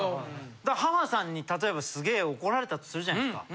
浜田さんに例えばすげぇ怒られたとするじゃないですか。